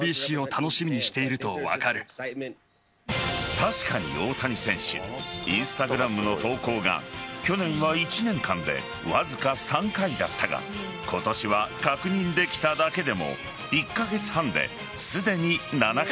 確かに大谷選手Ｉｎｓｔａｇｒａｍの投稿が去年は１年間でわずか３回だったが今年は確認できただけでも１カ月半ですでに７回。